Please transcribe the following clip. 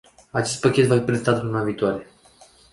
Acest pachet va fi prezentat luna viitoare.